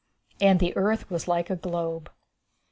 And the Earth Was Like a Globe.